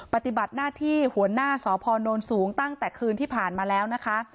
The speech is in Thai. ปฏิบัติหน้าที่หัวหน้าสพนสูงตั้งแต่คืนที่ผ่านมาแล้วนะคะ